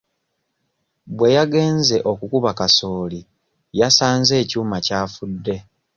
Bwe yagenze okukuba kasooli yasanze ekyuma kyafuddde.